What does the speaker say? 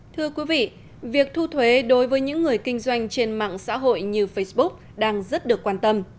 thưa quý vị việc thu thuế đối với những người kinh doanh trên mạng xã hội như facebook đang rất được quan tâm